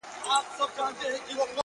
ژوند مي هيڅ نه دى ژوند څه كړم.!